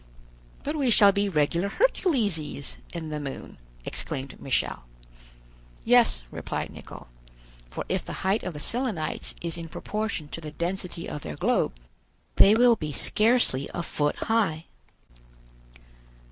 "But we shall be regular Herculeses in the moon!" exclaimed Michel. "Yes," replied Nicholl; "for if the height of the Selenites is in proportion to the density of their globe, they will be scarcely a foot high."